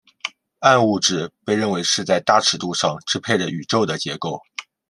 暗物质被认为是在大尺度上支配着宇宙的结构。